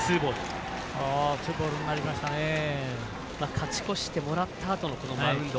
勝ち越してもらったあとのマウンド。